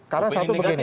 karena satu begini